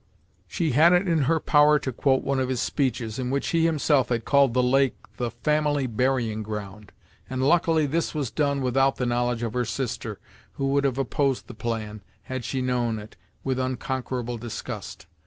She had it in her power to quote one of his speeches, in which he himself had called the lake the "family burying ground," and luckily this was done without the knowledge of her sister, who would have opposed the plan, had she known it, with unconquerable disgust.